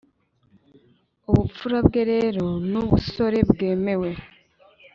Ubupfura bwe rero nubusore bwemewe